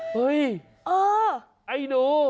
เฮ้ยไอ้หนู